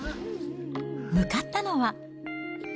向かったのは。